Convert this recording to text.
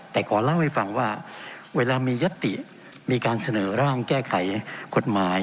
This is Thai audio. แต่ขอเล่าให้ฟังว่าเวลามียติมีการเสนอร่างแก้ไขกฎหมาย